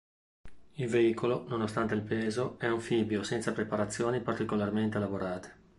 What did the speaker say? Il veicolo, nonostante il peso, è anfibio senza preparazioni particolarmente elaborate.